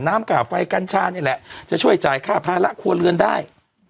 ค่าไฟกัญชานี่แหละจะช่วยจ่ายค่าภาระครัวเรือนได้